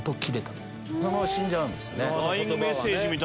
そのまま死んじゃうんですね。